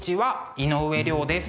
井上涼です。